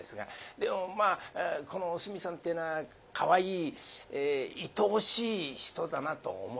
でもまあこのおすみさんってえのはかわいいいとおしい人だなと思います。